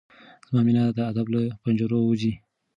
زما مينه د ادب له پنجرو وځي